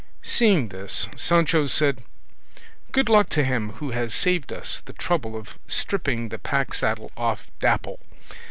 Seeing this Sancho said, "Good luck to him who has saved us the trouble of stripping the pack saddle off Dapple!